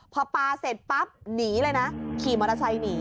พอปะเสร็จปั๊บหนีเลยนะ